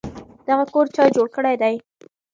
دغه کور چا جوړ کړی دی؟